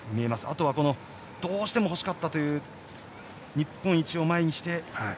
あとは、どうしても欲しかったという日本一を前に。